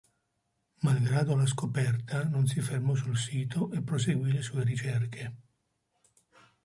Malgrado la scoperta non si fermò sul sito e proseguì le sue ricerche.